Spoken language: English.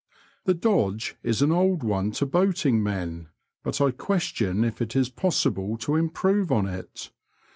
The dodge is an old one to boating men, but I question if it is possible to improve on it.